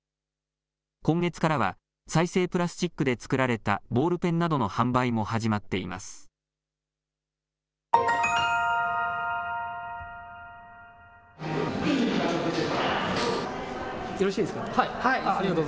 今月からは再生プラスチックで作られたボールペンなどの販売も始まっています。